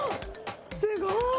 すごい！